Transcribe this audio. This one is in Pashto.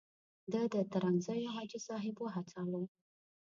ده د ترنګزیو حاجي صاحب وهڅاوه.